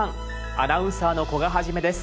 アナウンサーの古賀一です。